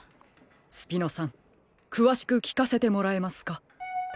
スピノさんくわしくきかせてもらえますか？